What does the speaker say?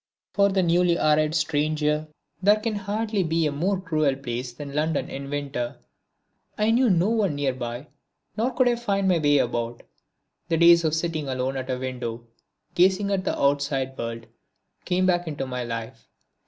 For the newly arrived stranger there can hardly be a more cruel place than London in winter. I knew no one near by, nor could I find my way about. The days of sitting alone at a window, gazing at the outside world, came back into my life.